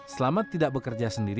selamat tidak bekerja sendiri